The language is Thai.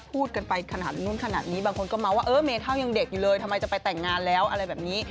พูดกันไปขนาดนู้นขนาดนี้บางคนก็เมาส์ว่าเออเมเท่ายังเด็กอยู่เลยทำไมจะไปแต่งงานแล้วอะไรแบบนี้